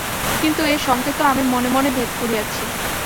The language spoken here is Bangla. কিন্তু এই সংকেতও আমি মনে মনে ভেদ করিয়াছি।